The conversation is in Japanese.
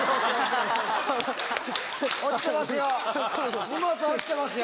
落ちてますよ！